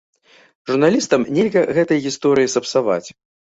Журналістам нельга гэтай гісторыі сапсаваць.